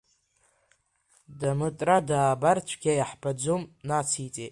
Дамытра даабар цәгьа иаҳбаӡом, нациҵеит.